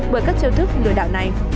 bởi các chiêu thức lừa đảo này